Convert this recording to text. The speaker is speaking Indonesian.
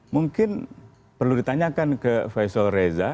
mungkin perlu ditanyakan ke faisal reza